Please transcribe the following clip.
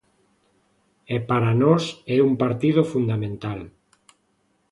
E para nós é un partido fundamental.